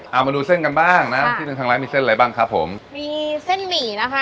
เอามาดูเส้นกันบ้างนะที่หนึ่งทางร้านมีเส้นอะไรบ้างครับผมมีเส้นหมี่นะคะ